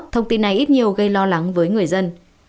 thông tin này ít nhiều gây lo lắng với người dân